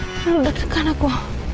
nggak boleh deketkan aku